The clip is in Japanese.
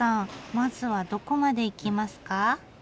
まずはどこまで行きますか？